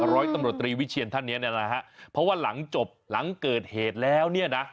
ร้อยตำรวจตรีวิเชียนท่านเนี่ยนะฮะเพราะว่าหลังจบหลังเกิดเหตุแล้วเนี่ยนะ